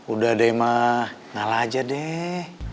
udah deh mah ngalah aja deh